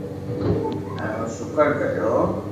ھين اوري ݾڪر ڪريو